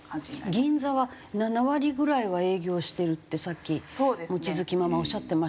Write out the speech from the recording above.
銀座は７割ぐらいは営業してるってさっき望月ママおっしゃってましたけど。